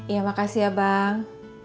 ya makasih ya bang